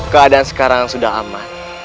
keadaan sekarang sudah aman